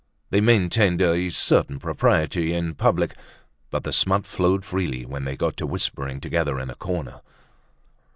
They maintained a certain propriety in public, but the smut flowed freely when they got to whispering together in a corner.